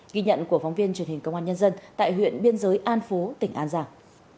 ghi nhận của phóng viên truyền hình công an nhân dân tại huyện biên giới an phú tỉnh an giang